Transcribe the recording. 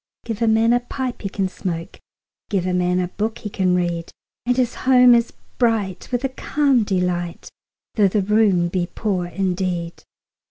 Give a man a pipe he can smoke, 5 Give a man a book he can read: And his home is bright with a calm delight, Though the room be poor indeed.